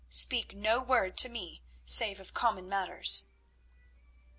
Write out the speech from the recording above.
Speak no word to me save of common matters."